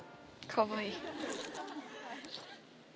かわいい！